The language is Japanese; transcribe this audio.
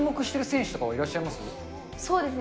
そうですね。